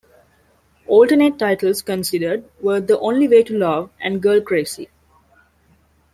Alternate titles considered were "The Only Way to Love" and "Girl Crazy".